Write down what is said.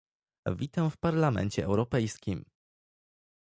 Witam w Parlamencie Europejskim